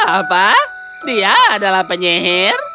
apa dia adalah penyihir